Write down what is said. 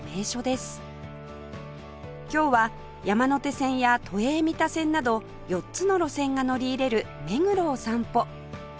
今日は山手線や都営三田線など４つの路線が乗り入れる目黒を散歩